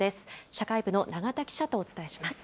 社会部の永田記者とお伝えします。